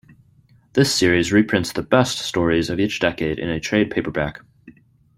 This series reprints the "best" stories of each decade in a trade paperback.